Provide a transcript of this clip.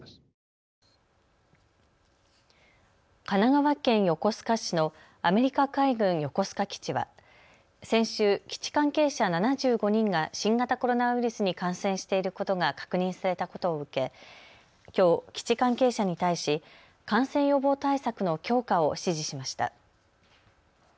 神奈川県横須賀市のアメリカ海軍横須賀基地は先週、基地関係者７５人が新型コロナウイルスに感染していることが確認されたことを受けきょう、基地関係者に対し感染予防対策の強化を指示しました。